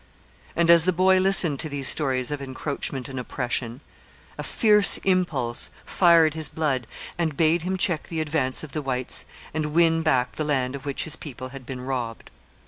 And as the boy listened to these stories of encroachment and oppression, a fierce impulse fired his blood and bade him check the advance of the whites and win back the land of which his people had been robbed.